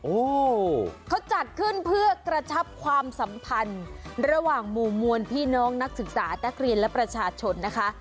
โอ้โหเขาจัดขึ้นเพื่อกระชับความสัมพันธ์ระหว่างหมู่มวลพี่น้องนักศึกษานักเรียนและประชาชนนะคะ